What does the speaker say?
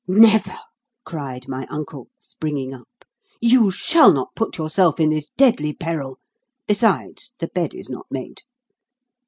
"Never!" cried my uncle, springing up. "You shall not put yourself in this deadly peril. Besides, the bed is not made."